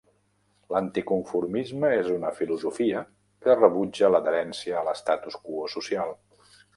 L'anti-conformisme és una filosofia que rebutja l'adherència a l'estatus quo social.